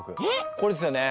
これですよね？